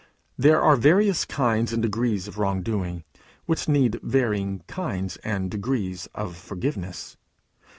There are various kinds and degrees of wrongdoing, which need varying kinds and degrees of forgiveness.